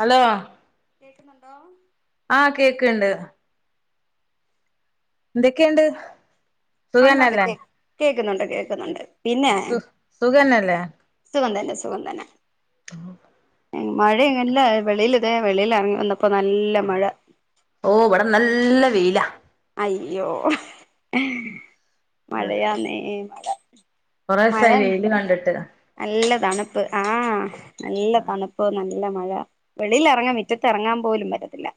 Hello hello ആ കേക്കുണ്ട് എന്തൊക്കെണ്ട് [inaudible] കേൾക്കുന്നുണ്ട് കേൾക്കുന്നുണ്ട് സുഖം തന്നെ അല്ലേ സുഖം തന്നെ സുഖം തന്നെ [unintelligible] മഴയാണെങ്കിലെ വെളിയിൽ ദേ വെളിയിലിറങ്ങി വന്നപ്പോൾവന്നപ്പോൾ നല്ല മഴ ഓ ഇവിടെ നല്ല വെയില. അയ്യോ അഹ് മഴയാന്നെ മഴ മഴ കൊറേസായി വെയില് കണ്ടിട്ട് നല്ല തണുപ്പ് ആ നല്ല തണുപ്പ് നല്ല മഴ വെളിയിൽ ഇറങ്ങൻ മിറ്റത് ഇറങ്ങൻ പോലും പറ്റത്തില്ല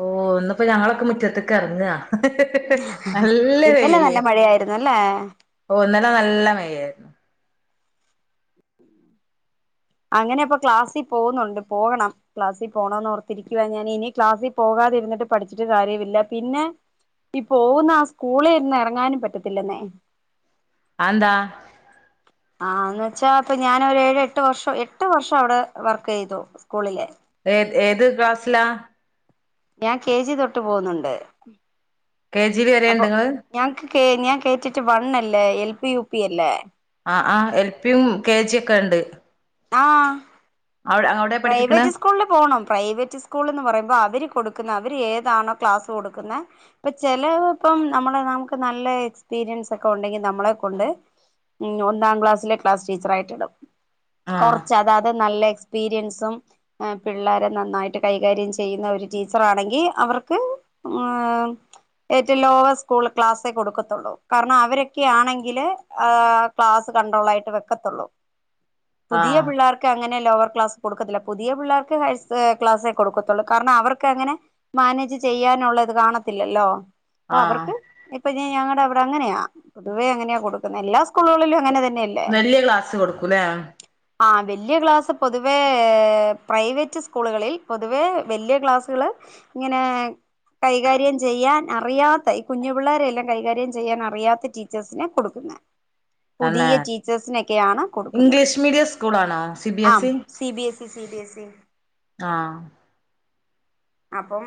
ഓ ഇന്ന് ഇപ്പൊ ഞങ്ങളൊക്കെ മുറ്റത്തേക്ക് ഇറങ്ങ ഹിഹിഹി നല്ല ഇന്നലെ വെയിൽ നല്ല മഴയായിരുന്നു അല്ലേ ഇവിടെ നല്ല മഴ ആയിരുന്നു അങ്ങനെയപ്പം ക്ലാസ്സിൽ പോകുന്നുണ്ട് പോകണം ക്ലാസിൽ പോണം ഓർത്തിരിക്കുവ ഞാൻ ഇനി ക്ലാസ്സിൽ പോകാതിരുന്നിട്ട് പഠിച്ചിട്ട് കാര്യമില്ല പിന്നെ ഈ പോവുന്ന ആ സ്കൂളിന്ന് ഇറങ്ങാനും പറ്റത്തില്ലന്നെ അത് എന്താ ആ എന്നുവച്ചാ ഞാൻ ഒരു ഏഴ് എട്ട് വർഷം എട്ട് വർഷം അവിടെ വർക്ക് ചെയ്തു സ്കൂളില് ഏത് ക്ലാസ്സിലാ ഞാൻ കെജി തൊട്ട് പൊന്നുണ്ട് കെ ജി ല് വരെ ഉണ്ടോ നിങ്ങളു ഞാൻ കേട്ടിട്ട് വൺ അല്ലെ എൽ പി യു പി അല്ലെ ആആ ൽ പി യും കെ ജി ഒക്കെ ഉണ്ട്. ആ പഠിപ്പിക്കണെ പ്രൈവറ്റ് സ്കൂളിൽ പോണം പ്രൈവറ്റ് സ്കൂൾന്ന് പറയുമ്പോ അവര് കൊടുക്കു ന്ന അവര് ഏതാണോ ക്ലാസ് കൊടുക്കുന്നെ ഇപ്പൊ ചിലർ ഇപ്പം നമ്മൾ നമുക്ക് നല്ല എക്സ്പീരിയൻസ് ഒക്കെ ഉണ്ടെങ്കിൽ നമ്മളെ കൊണ്ട് ഒന്നാം ക്ലാസ്സിലെ ക്ലാസ് ടീച്ചർ ആയിട്ട് ഇടും ആഹ് കുറച്ച് അതാത് നല്ല എക്സ്പീരിയൻസും പിള്ളേരെ നന്നായിട്ട് കൈകാര്യം ചെയ്യുന്ന ഒരു ടീച്ചർ ആണെങ്കിൽ അവർക്ക് ഏറ്റവും ലോവർ സ്കൂൾ ക്ലാസ്സേ കൊടുക്കത്തുള്ളൂ കാരണം അവരൊക്കെ ആണെങ്കില് ആ ക്ലാസ് കണ്ട്രോള് ആയിട്ട് വെക്കത്തുള്ളൂ പുതിയ ആഹ് പിള്ളേർക്ക് അങ്ങനെ [unintelligible] ക്ലാസ്സ് കൊടുക്കത്തില്ല പുതിയ പിള്ളാർക്ക് [unintelligible] ക്ലാസ്സേ കൊടുക്കത്തുള്ളൂ കാരണം അവർക്ക് അങ്ങനെ മാനേജ് ചെയ്യാനുള്ളത് കാണത്തില്ലല്ലോ. ആഹ് അവർക്ക് ഇപ്പൊ ഞാൻ ഞങ്ങടെ അവ അങ്ങനെയാ, പൊതുവെ അങ്ങനെയാ കൊടുക്കുന്നെ. എല്ലാ സ് വെല്ല്യ ക്ലാസ് കൊടുക്കുലേ. ആഹ് വല്യ ക്ലാസ് പൊതുവേ പ്രൈവറ്റ് സ്കൂളുകളിൽ, പൊതുവേ വല്യ ക്ലാസ്സുകള് ഇങ്ങനെ കൈകാര്യം ചെയ്യാൻ അറിയാത്ത ഈ കുഞ്ഞു പിള്ളേരെ എല്ലാം കൈ, കാര്യം ചെയ്യാൻ അറിയാത്ത ടീച്ചേഴ്സിനെ കൊടുക്കുന്നേ അന്നേ, കൊടുക്കുന്നത് ഇംഗ്ലീഷ് മീഡിയം സ്കൂൾ ആണോ സി ബിഎസ് ആം C B S C B S C ആഹ് അപ്പം,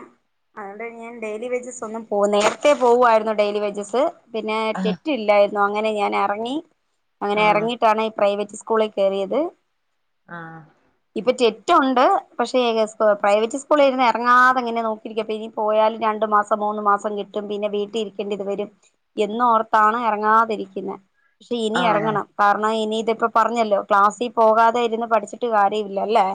അതുകൊണ്ട് ഞാൻ ഡെയിലി വേജസ് ഒന്നും പോ നേരത്തെ പോവായിരുന്നു ഡെയിലി വേജസ്. പിന്നെ ആഹ് കെറ്റ് ഇല്ലായ് ന്നു. അങ്ങനെ ഞാൻ എറങ്ങി. അങ്ങനെ ആഹ് എറങ്ങിയിട്ടാണ് ഈ പ്രൈവറ്റ് സ്കൂളിൽ കെറിയത്. ആഹ്. റ്റെറ്റുണ്ട് പക്ഷേ പ്രൈവറ്റ് സ്കൂളി ഇരുന്നയ. ഇറങ്ങാതെ ഇങ്ങനെ നോക്കിയിരിക്കും അപ്പ ഇനി പോയാലും രണ്ടു മാസം മൂന്ന് മാസം കിട്ടും പിന്നെ വീട്ടിലിരിക്കേണ്ടി ഇത് വരും എന്നോർത്താണ് എറങ്ങാതിരിക്കുന്നെ. പക്ഷെ ഇനി ആഹ് എറങ്ങണം കാറണം ഇനി ഇതേ ഒക്കെ പറഞ്ഞല്ലോ ക്ലാസ്സി പോകാതെ ഇരുന്ന് പഠിച്ചിട്ട് കാര്യ ഇല്ലല്ലേ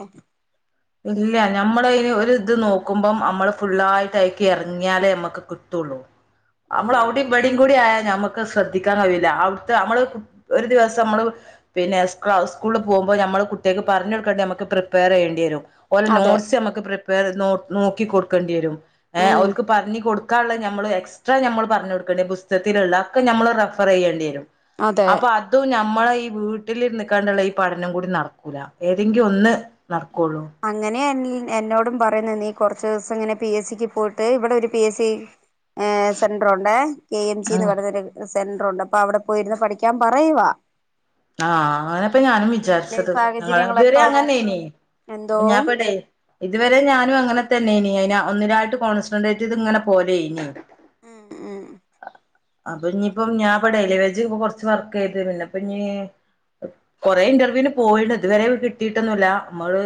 ഇല്ല ഞമ്മള് ഒരിത് നോക്കുമ്പം അമ്മള് ഫുുള്ളായിട്ട് അയിക്ക് എറങ്ങിയാലേ നമ്മക്ക് കിട്ടുള്ളൂ അമ്മടെ ഔടിം ഇബടിം കൂടി ആയാ ല് നമുക്ക് ശ്രദ്ധിക്കാൻ കഴിയൂല അവിടുത്തെ നമ്മള് ഒരു ദിവസം നമ്മള് പിന്നെ സ് സ്കൂളിൽ പോവുമ്പോ നമ്മള് കുട്ടിയാക്ക് പറഞ്ഞ് കൊടുക്കണ്ടി നമുക്ക് പ്രിപ്പയർ ചെയ്യേണ്ടി വരും ഓലെ അതെ നോട്ട്സ് നമുക്ക് പ്രി പ്പയർ നോ നോക്കി കൊടുക്കേണ്ടി യേരും ഏ ഉം ഓല്ക്ക് പറഞ്ഞ് കൊടു ക്കാള്ളത് നമ്മള് എക്സ്ട്രാ നമ്മള് പറഞ് കൊടുക്കേണ്ടി പുസ്തകത്തിലുള്ള ഒക്കെ ഞമ്മള് റെഫർ ചെയ്യേണ്ടി വരും അതെ അപ്പൊ അതുംഞ നമ്മളെ ഈ വീട്ടിലിര്ന്ന്ക്കാണ്ടുള്ള ഈ പഠനം കൂടി നടക്കൂല ഏതെങ്കിലും ഒന്ന് നടക്കുള്ളൂ അങ്ങനെ എൻലിൻ എന്നോടും പറയുന്നെ നീ കൊറച്ച് ദിവസം ഇങ്ങനെ പി എസ് സിക്ക് പോയിട്ട് ഇവിടെ ഒരു പി എസ് സി ഏ സെൻററൊണ്ടേ കെ എം ജി ന്ന് ഉം പറയുന്നൊരു സെ സെന്ററൊണ്ട് അപ്പൊ അവിടെ പോയിരുന്ന് പഠിക്കാൻ പറയുവാ ആ അങ്ങനെപ്പ ഞാനും വി അല്ലെ വിചാരിച്ചത് ഞങ്ങള് സാഹചര്യങ്ങളൊക്കെ അതുവരെ ആണോ അങ്ങനേ നീ എന്തോ അപ്പ ഞാപ്പ ദേ ഇതുവരെ ഞാനും അങ്ങനെ തന്നേ നി അതിനെ ഒന്നരാട്ട് കോൺസെൻട്രേറ്റയ്ത് ഇങ്ങനെ പോവലേനി മ് മ് അപ്പൊ ഇനിയിപ്പം ഞാപ്പോ ഡേയ്ലിവേജ് കൊറച്ച് വർക്ക് ചെയ്തിന്നല്ലോ അപ്പൊ ഇഞ്ഞ് കൊറെ ഇന്റർവ്യൂന് പോയിണ് ഇതുവരെ കിട്ടിയിട്ടൊന്നുല്ല മ്മള്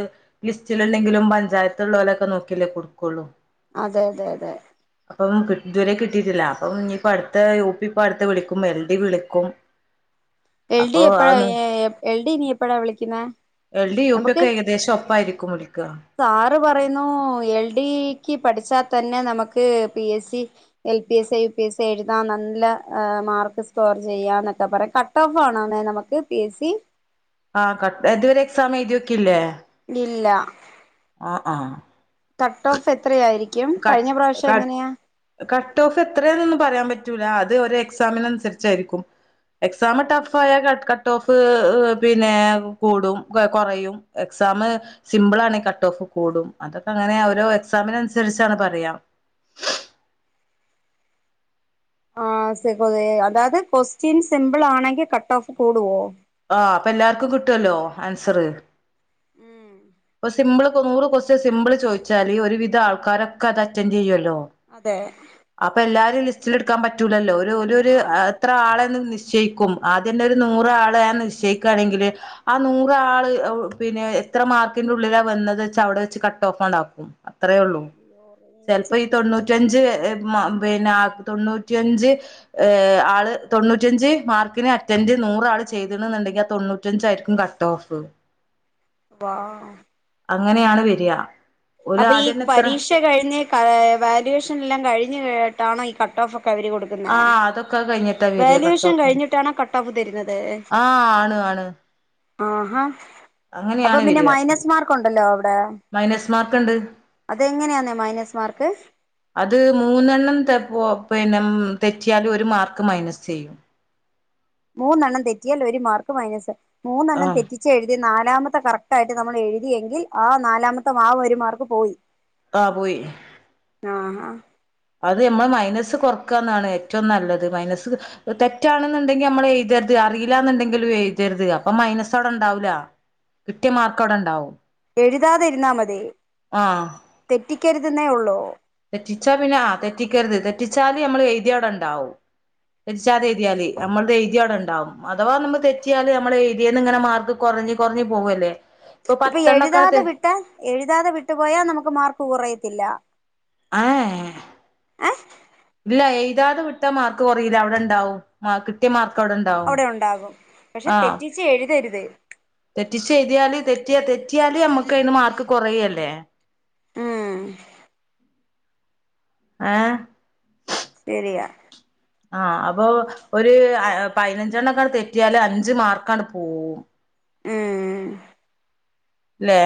ലിസ്റ്റിലില്ലെങ്കിലും പഞ്ചായത്തൊള്ളോലൊക്കെ നോക്കിഅല്ലെ കൊടുക്കുള്ളൂ അതെ അതെ അതെ അപ്പം കി ഇതുവരെ കിട്ടിട്ടില്ല അപ്പം ഇനിയിപ്പ അടുത്ത യു പി ഇപ്പ അടുത്ത് വിളിക്കും എൽ ഡി വിളിക്കും എൽ ഡി അപ്പൊ എ എപ്പഴാ അതൊന്ന് എ എ എൽ ഡി ഇനി എപ്പഴാ വിളിക്കുന്നെ നമുക്ക് പ്പായിരിക്കും വിള് സാറ് പറയുന്നു എൽ ഡിക്ക് പഠിച്ചാ തന്നെ നമക്ക് P S C L P S A U P S A എഴുതാൻ നല്ല മാർക്ക് സ്കോർ ചെയ്യാന്നൊക്കെ പറയും കട്ട് ഓഫ് ആണോന്നെ നമുക്ക് പി എസ് സി ആ ക ഇതുവരെ എക്സാം എഴുതിയോക്കിലെ ഇല്ല ആ ആ കട്ടോഫ് എ കട് കട് കട്ടോഫ് എത്രയാന്നൊന്ന് പറയാൻ പ പറ്റൂല അത് ഒരു എക്സാമിനനുസരിച്ചായിരിക്കും എക്സാമ് ടഫ് ആയാ ക ക കട്ട് ഓഫ് പിന്നെ കൂടും കൊറയും എക്സാം സിമ്പിൾ ആണെ കട്ട് ഓഫ് കൂടും അതൊക്കെ അങ്ങനെ ഓരോ എക്സാമിനനു സരിച്ചാണ് പറയാ ആ സെയ്‌ഫദേ അതായത് കൊസ്റ്റ്യൻ സിമ്പിൾ ആണെങ്കിൽ കട്ട് ഓഫ് കൂടുവോ ആ അപ്പൊ എല്ലാർക്കും കിട്ടുവല്ലോ ആൻസറ് ഉം ഒരു സിമ്പിള് നൂറ് കൊസ്റ്റ്യൻ സിമ്പിൾ ചോദിച്ചാല് ഒരു വിധ ആൾക്കാരൊക്കെ അത് അറ്റൻറ് ചെയ്യു അതെ അപ്പൊ എല്ലാരേം ലിസ്റ്റിൽ എടുക്കാൻ പറ്റൂലല്ലോ ഒ രു രു ര് എത്ര ആളെ നിശ്ചയിക്കും ആദ്യന്നെ ഒരു നൂറ് ആളെയാണ് ശ് ചെയിക്കാണെങ്കില് ആ നൂറാള് പിന്നെ എത്ര മാർക്കിന്റെ ഉള്ളിലാ വന്നത് വെച്ച അവിടെ വെച്ച് കട്ട് ഓഫ്ണ്ടാക്കും അത്രേ ഉള്ളൂ ചെലപ്പോ ഈ തൊണ്ണൂറ്റഞ്ച് പിന്നെ തൊണ്ണൂറ്റിയഞ്ച് ഏ ആള് തൊണ്ണൂറ്റിഞ്ച് മാർക്കിന് അറ്റൻറ് നൂറ ആള് ചെയ്തണ എന്നുണ്ടെങ്കി ആ തൊണ്ണൂറ്റഞ്ച ആയിരിക്കും കട്ട് ഓഫ് വാ അങ്ങനെയാണ് വര അപ്പൊ ഈ പരീക്ഷ കഴിഞ് വാല്യുവേഷൻ എല്ലാം കഴി [unintelligible] കേട്ടണ ഈ കട്ട ഓഫ് ആഹ അതൊക്കെ കഴിഞ്ഞി വേല് വഷം കഴിഞ്ഞിട്ടണോ കട്ടഓഫ് തരുന്നത് ആ ആണ് ആണ് അ ഹാ അങ്ങനെയാണ് വരിക അവിടെ മൈനസ് മാർക്ക് ഉണ്ട് അതെങ്ങനെയാന്നേ മൈനസ് മാർക്ക് അത് മൂന്നെണ്ണം തപ്പോ അപ്പന്നെ തെറ്റില് ഒരു മാർക്ക് മൈനസ് ചെയ്യും മൂന്നെണ്ണം തെറ്റിയാൽ ഒരു മാർക്ക് മൈനസ് മൂന്നെണ്ണം ആഹ് തെറ്റിച്ചെഴുതി നാലാമത്തെ കറക്റ്റ് ആയിട്ട് നമ്മൾ എഴുതിയെങ്കിൽ ആ നാലാമത്തെ മാ പരുമാർക്ക് പോയി ആ പോയി ആഹ അത് നമ്മൾ മൈനസ് കൊറക്കുകന്നാണ് ഏറ്റവും നല്ലത് മൈനസ് തെറ്റാണെന്നുണ്ടെങ്കിൽ നമ്മൾ എഴുതരുത് അറിയില്ലന്നുണ്ടെങ്കിലും എഴുതരുത് അപ്പ മൈനസോവിടെ ഉണ്ടാവില്ല കിട്ടിയ മാർക്കവിടെ ഉണ്ടാവും എഴുതാതിരുന്നാൽ മതേ ആഹ് തെറ്റ് കുറ്റിക്കരുതുന്നേ ഉള്ളൂ തെറ്റിച്ചാ പിന്നെ ആ തെറ്റിക്കരുത് തെറ്റിച്ചാല് നമ്മള് എഴുതി അവിടെ ഉണ്ടാവും തെറ്റിച്ചാത് എഴുതിയാല് നമ്മളത് എഴുതി അവിടെ ഉണ്ടാവും അഥവാ നമ്മള് തെറ്റിയാല് നമ്മൾ എഴുതിയന്ന് ഇങ്ങനെ മാർക്ക് കുറഞ്ഞഞ് കുറഞ്ഞഞ് പോകല്ലേ ഇപ്പൊ എഴുതാതെ വിട്ട എഴുതാതെ വിട്ടുപോയാൽ നമുക്ക് മാർക്ക് കുറയത്തില്ല എ എ ഹ ഏ ഇല്ല ഇല്ലാതെ വിട്ട മാർക്ക് കുറയില്ല അവിടെ ഉണ്ടാവും കിട്ടിയ മാർക്ക് അവിടെ ഉണ്ടാകും പക്ഷെ ആ തെറ്റിച്ച് എഴുതരു ത് തെറ്റിച്ച് എഴതിയല് തെറ്റിയാ തെറ്റിയല് നമ്മുക്കയിന് മാർക്ക് കൊറയല്ലേ ആ ആ ശരിയാ ആഹ് അപ്പൊ ഒരു അ എ പയിനഞ്ചെണ്ണക്കൊഅട് തെറ്റിയാല് അഞ്ച് മാർക്കാണ്ട് പോവും ഉം ലേ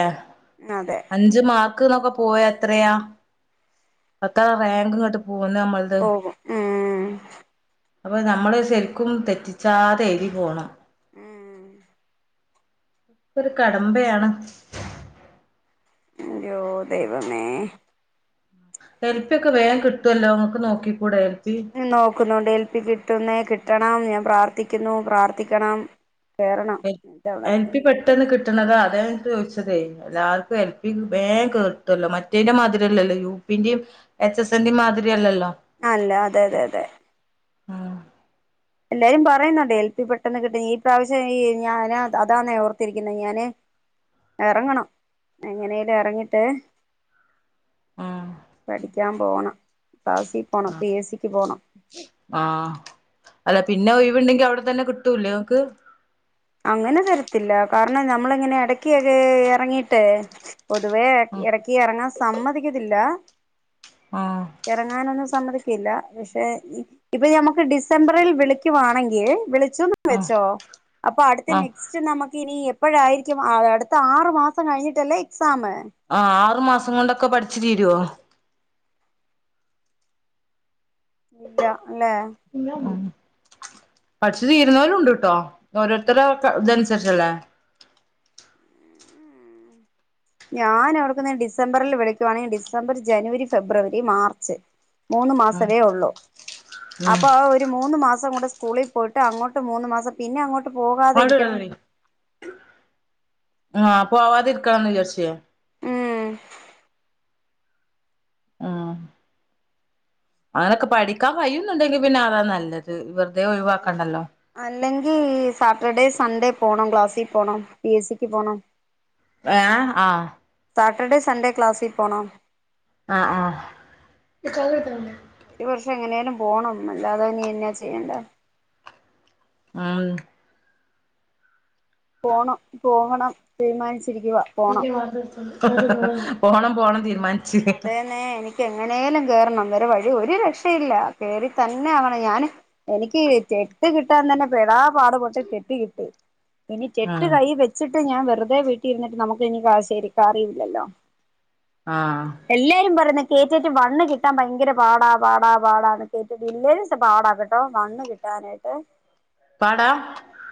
അതെ അഞ്ച് മാർക്ക് ന്നൊകെ പോയത്രയാ അക്ക റാങ്ക്ങ്ങട്ട് പോന്ന മ്മൾത് പോകും ഉം അപ്പൊ നമ്മള് ശരിക്കും തെറ്റിച്ചാതെ എഴുതി പോണം ഉം ക്കൊരു കടമ്പയാണ് ന്റയോ ദൈവമേ എൽപി ഒക്കെ വേം കിട്ടൊല്ലോ നമുക്ക് നോക്കി കൂടെ എൽ പി നോക്കുന്നുണ്ട് എൽ പ്പി കിട്ടുന്നേ കിട്ടണം ഞാ പ്രാർത്ഥിക്കുന്നു പ്രാർത്ഥിക്കണം കേറണം എൽ ഇത്തവണ എൽ പി എങ്ങനേലും പെട്ടെന്ന് കിട്ടണതാ അതാ ഞാൻ ചോദി ട്ടതെ എല്ലാർക്കും എൽ പി വേം കേർട്ടോല്ലോ മറ്റേന്റെ മാതിരിയല്ലല്ലോ യു പി ന്റെയും എച്ച് എസ് എന്റെയും മാതിരിയല്ലല്ലോ ആല്ല അതെ അതെ അതെ മ് എല്ലാരും പറയുന്നുണ്ട് എൽ പി പെട്ടെന്ന് കിട്ടു ഈ പ്രാവശ്യം ഈ ഞാന അതാന്നെ ഓർത്തിരിക്കുന്നത് ഞാന് ഇറങ്ങണം എങ്ങനെലും എറങ്ങിട്ട് ഉം പഠിക്കാ പോണം ക്ലാസ്സി പോണം പി എ സിക്ക് പോണം ആഹ് അല്ല പിന്നെ ഒഴിവുണ്ടെങ്കി അവിടെ തന്നെ കിട്ടൂലേ ഓക്ക് അങ്ങനെ തരത്തില്ല കാരണം നമ്മള് ഇങ്ങനെ ഇടക്കൊരു ഇറങ്ങീട്ടേ പൊതുവേ ആഹ് ഇടയ്ക്ക് ഇറങ്ങാൻ സമ്മതിക്കത്തില്ല ആഹ് ഇറങ്ങാനൊന്നും സമ്മതി ക്കില്ല പക്ഷെ ഇ ഇപ്പൊ ഞമ്മക്ക് ഡിസംബറിൽ വിളിക്കുവാണെങ്കിൽ വിളി ച്ചുന്ന് ആഹ് വെച്ചോ അപ്പൊ അടുത്ത ആഹ് നെക്സ്റ്റ് നമ ഇനി എപ്പോഴായിരിക്കും അ അടുത്ത ആറു മാസം കഴിഞ്ഞിട്ടല്ലേ എക്സാമ് ആ ആറു മാസം കൊണ്ടൊക്കെ പഠിച്ചുതീ രോ ഇല്ല അല്ലെ ഇല്ലാന്നാ പഠിച്ച് തീരുന്നോലും ഉണ്ട്ട്ടോ ഓരോരുത്തരെ കെ ഇതനുസരിച്ചല്ലേ ഞാൻ ഓർക്കുന്നെ ഡിസംബറിൽ വിളിക്കുവാണെങ്കി ഡിസംബർ ജനുവരി ഫെബ്രുവരി മാർച്ച് മൂന്ന് ഉം മാസമേ ഉള്ളൂ ഉം അപ്പൊ ഒരു മൂന്ന് മാസം കൂടെ സ് സ്കൂളി പോയിട്ട് അങ്ങോ്ട്ട് മൂന്ന് മാസം പിന്നെ അങ്ങോ [unintelligible] ആഹ്. പോവാതിരിക്കണന്ന് വിചാരിച്ചെ ഉം ആഹ്. അങ്ങനൊക്കെ പഠിക്കാൻ കയിയുന്നുണ്ടെങ്കിൽ പിന്നെ അതാ നല്ലത് വെർ തേ ഒഴിവാക്കണ്ടല്ലോ. അല്ലെങ്കി സാറ്റർഡേ സൺഡേ പോണം ക്ലാസ്സി പോണം പി എസിക്ക് പോണം. ഏഹ് ആഹ്. സാറ്റർഡേ സൺഡേ ക്ലാസിൽ പോണം. ആഹ് ആഹ്. ഒരു വർഷം എങ്ങനെയാലും പോണം അല്ലാതെ നീ എന്നാ ചെയ്യണ്ടെ. ആഹ്. പോണം പോകണം തീരുമാനിചി ട്ടിരിക്കുവാ പോണം. പോണം പോണം തീ അതേന്നെ എനി ക്കെങ്ങനേലും കേറണം വേറെ വഴി ഒരു രക്ഷയില്ല കേറി തന്നെയാവണം ഞാന് എനിക്ക് ചെട്ട് കിട്ടാൻ തന്നെ പെടാ പാട്പെട്ട് തെറ്റ് കിട്ടി ഇനി തെറ്റ് ഉം കയ്യി വെച്ചി ട്ട് ഞാൻ വെറുതെ വീട്ടിരുന്നിട്ട് നമുക്ക് ഇനിപ്പൊ അത് ശരിക്കറിയില്ലല്ലോ ആ എല്ലേരും പറിന്ന് കെ റ്റെറ്റ് വണ്ണ് കിട്ടാൻ ഭയങ്കര പാടാ പാടാ പാടാന്ന് കേ തെറ്റില്ലേലും സ് പാടാ കെട്ടോ വന്ന് കിട്ടാനായിട്ട് പാടാ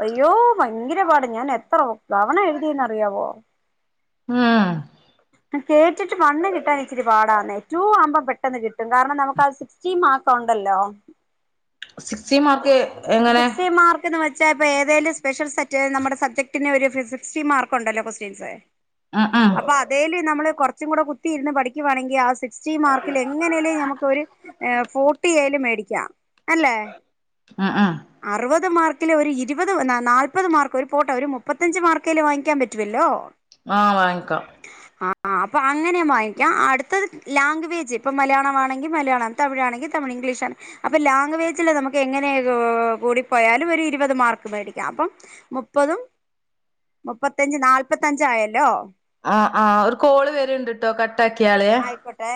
അയ്യോ ഭയങ്കരപാട് ഞാൻ എത്ര തവണ എഴുതിന്നറിയാവോ ഉം [unintelligible] റ്റെറ്റ് വണ്ണ് കി ട്ടാനിച്ചിരി പാടാന്നേ റ്റു ആവ്മ്പൊ പെ ട്ടന്ന് കിട്ടും കാരണം നമുക്കാ സിക്സ്റ്റി മാർക്ക് ഒണ്ടല്ലോ സിക്സ്റ്റി മാർക്ക് എങ്ങനെ? ച്ച പ്പേതേലും സ്‌പെഷൽ സെറ്റ് നമ്മടെ സബ്ജക്റ്റിന് ഒരു ഫിഫ് സിക്സ്റ്റി മാർക്കുണ്ടല്ലോ കൊസ്റ്റ്യൻസ് ഉം ഉം അപ്പൊ അതേല് നമ്മള് കൊർ ച്ചും കൂടെ കു ത്തി ഇരുന്ന് പഠിക്കുവാണെങ്കിൽ ആ സിക് സ്റ്റി മാർക്കില് എങ്ങനേലും നമുക്കൊരു ഏഹ് ഫോർട്ടിയേലും മേടി ക്ക്യാ അല്ലേ ഉം ഉം അറുവത് മാർക് ക്കില് ഒരു ഇരുവത് ന് നാ നാല്പത് മാർക്ക് ഒരു പോട്ടെ ഒരു മുപ്പത്തഞ്ച് മാർക്കേലും വാങ്ങിക്കാൻ പറ്റുവല്ലോ ആ വാങ്ങിക്കാം ആ അപ്പോ ആണ് ങ്ങനെ വാങ്ങിക്കാ. അടുത്തത് ലാംഗ്വവേജ് ഇപ്പം മലയാളമാണെങ്കിൽ മലയാളം. തമിഴാണെങ്കിൽ തമിഴ്. ഇംഗ്ലീഷ് ആ. അപ്പോ ലാംഗ്വവേജില് നമുക്കെങ്ങനെക്കോ കൂടിപ്പോയാലും ഒരു ഇരുപത് മാർക്ക് മേടിക്കാം. അപ്പം മുപ്പതും മുപ്പത്തഞ്ച് നാല്പത്തഞ്ചായല്ലോ. ആ ആ ഒരു കോള് വരുണ്ട്ട്ടോ കട്ടാക്കിയാളെ ആയിക്കോട്ടെ